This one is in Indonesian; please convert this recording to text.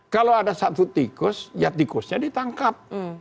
kalau ada satu tikus ya tikusnya ditangkap